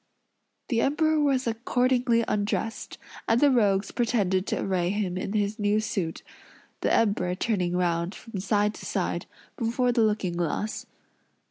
The Emperor was accordingly undressed, and the rogues pretended to array him in his new suit; the Emperor turning round, from side to side, before the looking glass.